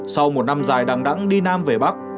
sau một năm dài đắng đắng đi nam về bắc